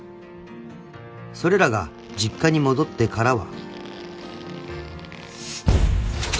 ［それらが実家に戻ってからは］